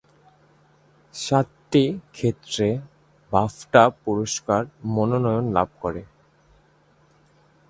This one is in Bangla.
সাতটি ক্ষেত্রে বাফটা পুরস্কার মনোনয়ন লাভ করে।